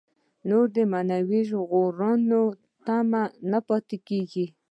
نور د معنوي ژغورنې تمه نه پاتې کېږي.